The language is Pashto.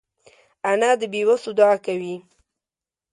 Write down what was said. انا د بېوسو دعا کوي